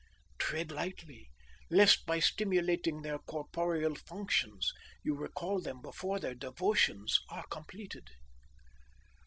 Tread lightly lest by stimulating their corporeal functions you recall them before their devotions are completed."